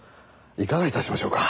いかが致しましょうか？